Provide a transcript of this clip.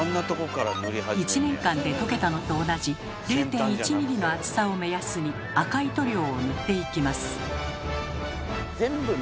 １年間で溶けたのと同じ０．１ｍｍの厚さを目安に赤い塗料を塗っていきます。